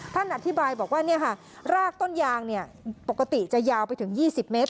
ท่านอธิบายบอกว่ารากต้นยางปกติจะยาวไปถึง๒๐เมตร